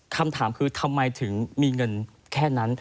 คำถามคือทำไมถึงมีเงินแค่นั้น